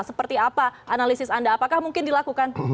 seperti apa analisis anda apakah mungkin dilakukan